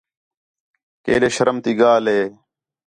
کیݙے شرم تی ڳالھ ہے